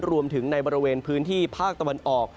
รวมถึงในบริเวณพื้นที่ภาคตะวันออก